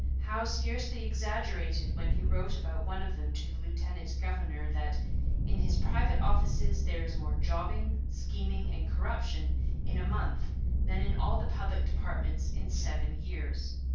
Howe scarcely exaggerated when he wrote about one of them to the lieutenant governor that 'in his private offices there is more jobbing, scheming, and corruption in a month than in all the public departments in seven years.'